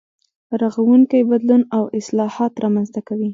رغونکی بدلون او اصلاحات رامنځته کوي.